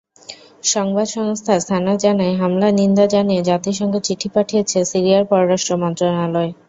সংবাদ সংস্থা সানা জানায়, হামলা নিন্দা জানিয়ে জাতিসংঘে চিঠি পাঠিয়েছে সিরিয়ার পররাষ্ট্র মন্ত্রণালয়।